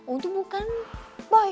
untung bukan boy